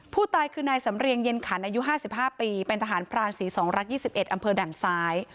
ผู้ตายคือนายสำเรียงเย็นขันอายุ๕๕ปีเป็นทหารพรานศรี๒รัก๒๑อำเภอด่านซ้าย